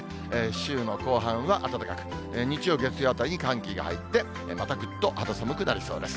週の後半は暖かく、日曜、月曜あたりに寒気が入って、またぐっと肌寒くなりそうです。